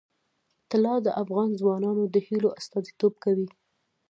طلا د افغان ځوانانو د هیلو استازیتوب کوي.